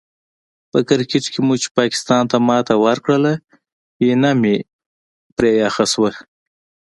په کرکیټ کې مو چې پاکستان ته ماتې ورکړله، ینه مې پرې یخه شوله.